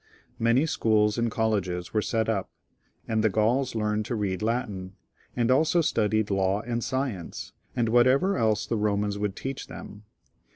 Many schools and colleges were set up, and the Gauls learned to read Latin, and also studied law and science, and whatever else the Romans would teach them.